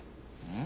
ん？